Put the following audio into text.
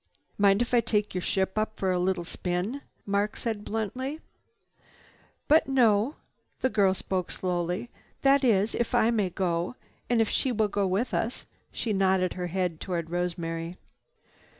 "Mind if I take your ship up for a little spin?" Mark said bluntly. "But no." The girl spoke slowly. "That is, if I may go, and if she will go with us." She nodded her head toward Rosemary.